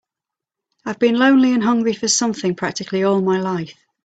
I've been lonely and hungry for something practically all my life.